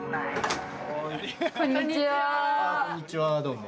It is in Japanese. こんにちは、どうも。